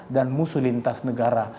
dan musuh lintas negara